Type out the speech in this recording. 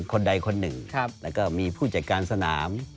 คนใดคนหนึ่งแล้วก็มีผู้จัดการสนาม